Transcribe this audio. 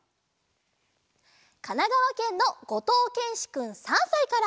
かながわけんのごとうけんしくん３さいから。